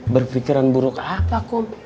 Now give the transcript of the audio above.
berpikiran buruk apa kum